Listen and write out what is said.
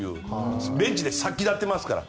ベンチで殺気立っていますから。